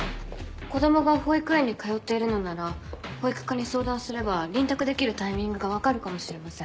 子供が保育園に通っているのなら保育課に相談すれば臨宅できるタイミングが分かるかもしれません。